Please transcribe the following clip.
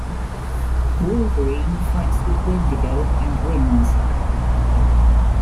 Wolverine fights with Wendigo and wins.